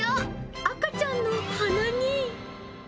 赤ちゃんの鼻に。